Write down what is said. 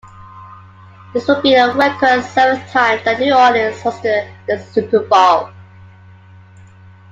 This would be a record seventh time that New Orleans hosted the Super Bowl.